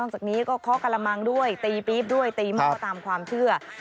จากนี้ก็เคาะกระมังด้วยตีปี๊บด้วยตีหม้อตามความเชื่อ